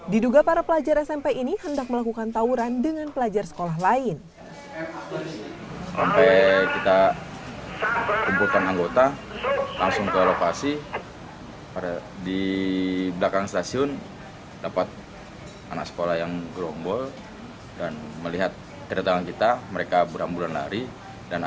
diduga para pelajar smp ini hendak melakukan tauran dengan pelajar sekolah lain